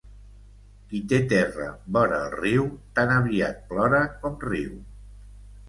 Qui té terra vora el riu, tan aviat plora com riu.